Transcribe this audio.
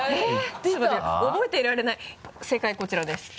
ていうか覚えていられない正解こちらです。